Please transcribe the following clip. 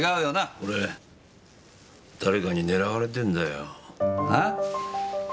俺誰かに狙われてんだよ。え？